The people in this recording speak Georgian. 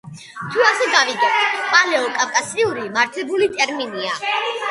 თუ ასე გავიგებთ, „პალეო-კავკასიური“ მართებული ტერმინია.